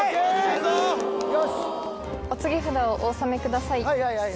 よしお告げ札をお納めください